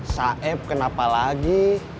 saeb kenapa lagi